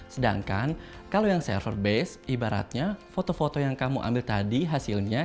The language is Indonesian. sedangkan kalau yang server base ibaratnya foto foto yang kamu ambil tadi hasilnya